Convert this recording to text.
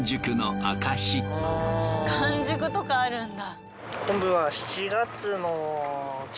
完熟とかあるんだ。